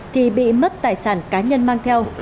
thì bị mất tài sản cá nhân mang theo